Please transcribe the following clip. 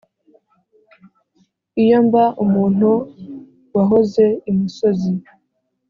Iyo mba umuntu wahoze imusozi